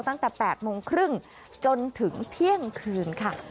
ตั้งแต่๘โมงครึ่งจนถึงเที่ยงคืนค่ะ